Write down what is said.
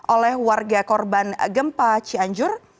oleh warga korban gempa cianjur